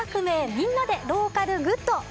みんなでローカルグッド」。